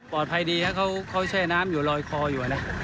ปลอดภัยดีเขาแช่น้ำอยู่ลอยคออยู่